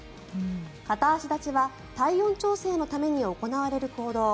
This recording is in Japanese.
片足立ちは体温調整のために行われる行動。